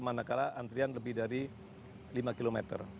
manakala antrian lebih dari lima km